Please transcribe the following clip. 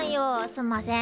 すんません。